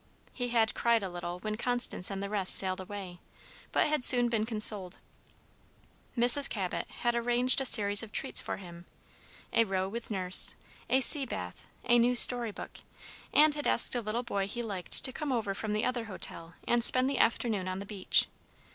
He had cried a little when Constance and the rest sailed away, but had soon been consoled. Mrs. Cabot had arranged a series of treats for him, a row with Nurse, a sea bath, a new story book, and had asked a little boy he liked to come over from the other hotel and spend the afternoon on the beach.